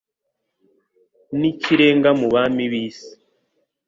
n’ikirenga mu bami b’isi